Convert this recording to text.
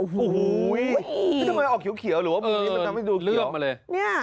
ที่หูออกหิวเขียวหรือว่ามีลิ้นปะ